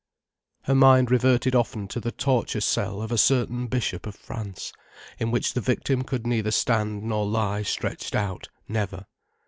Her mind reverted often to the torture cell of a certain Bishop of France, in which the victim could neither stand nor lie stretched out, never.